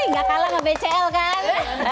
nggak kalah sama bcl kan